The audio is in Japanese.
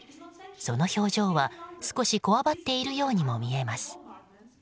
その表情は少しこわばっているようにも見えます。